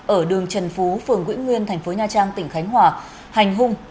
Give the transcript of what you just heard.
ở đường trần phú phường vĩnh nguyên thành phố nha trang tỉnh khánh hòa hành hung